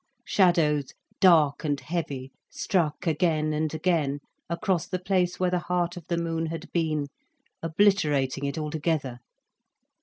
Shadows, dark and heavy, struck again and again across the place where the heart of the moon had been, obliterating it altogether.